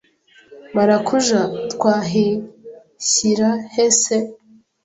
Marakuja twahishyira he se